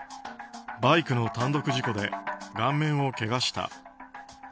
バイクの単独事故で顔面をけがした。